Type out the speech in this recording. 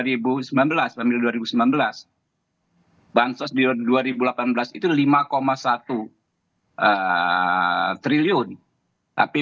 di tahun ini kalau dibandingkan misalnya dengan dua ribu sembilan belas pada dua ribu sembilan belas bansos dua ribu delapan belas itu lima satu triliun tapi